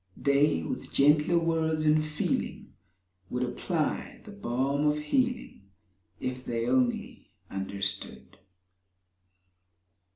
They, with gentler words and feeling, Would apply the balm of healing— If they only understood.